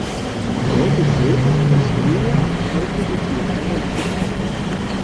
Deutlich wird, dass Löher häufige Kommentare hinzugefügt hat.